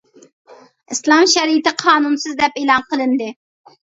ئىسلام شەرىئىتى قانۇنسىز دەپ ئېلان قىلىندى.